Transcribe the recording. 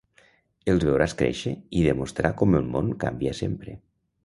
Els veuràs créixer i demostrar com el món canvia sempre.